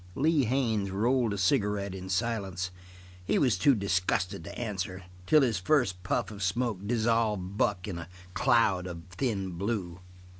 Lee Haines rolled a cigarette in silence. He was too disgusted to answer, until his first puff of smoke dissolved Buck in a cloud of thin blue.